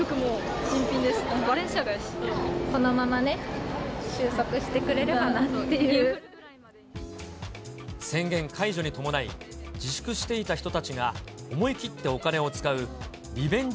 このままね、収束してくれれ宣言解除に伴い、自粛していた人たちが思い切ってお金を使う、リベンジ